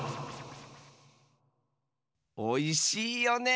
おいしいよねえ。